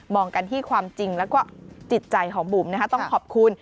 องกันที่ความจริงแล้วก็จิตใจของบุ๋มต้องขอบคุณ